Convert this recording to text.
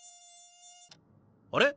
あれ？